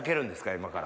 今から。